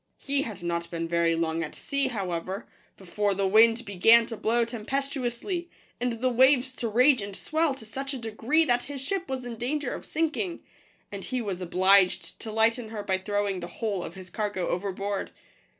He had not been very long at sea, however, before the wind began to blow tempestuously, and the waves to rage and swell to such a degree that his ship was in danger of sink ing ; and he was obliged to lighten her by throwing the whole of his cargo overboard.